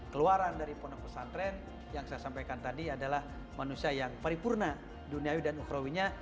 keluaran dari pondok pesantren yang saya sampaikan tadi adalah manusia yang paripurna duniawi dan ukrawinya